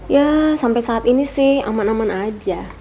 ya sampai saat ini sih aman aman aja